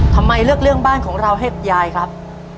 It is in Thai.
ทำไมเลือกเรื่องบ้านของเราให้ยายครับ